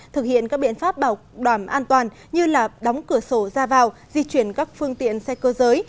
thực hiện các biện pháp bảo đảm an toàn như đóng cửa sổ ra vào di chuyển các phương tiện xe cơ giới